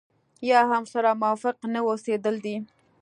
يا هم ورسره موافق نه اوسېدل دي.